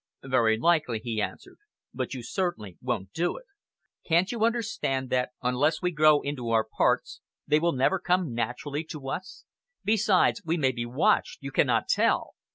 "Very likely," he answered, "but you certainly won't do it. Can't you understand that, unless we grow into our parts, they will never come naturally to us? Besides, we may be watched. You cannot tell."